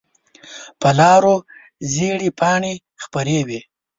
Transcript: په لارو زېړې پاڼې خپرې وي